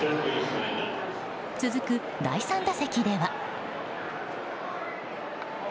続く第３打席では。